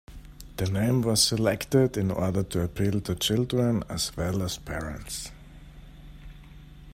The name was selected in order to appeal to children as well as parents.